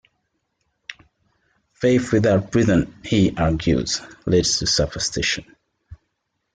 Faith without reason, he argues, leads to superstition.